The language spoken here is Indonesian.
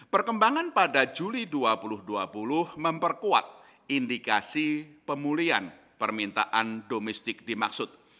perkembangan pada juli dua ribu dua puluh memperkuat indikasi pemulihan permintaan domestik dimaksud